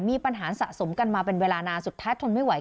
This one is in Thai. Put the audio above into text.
มีปัญหาสะสมกันมาเป็นเวลานานสุดท้ายทนไม่ไหว